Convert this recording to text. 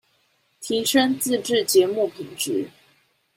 提昇自製節目品質